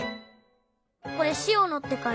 これ「塩野」ってかいてある。